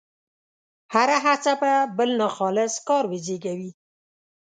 هره هڅه به بل ناخالص کار وزېږوي.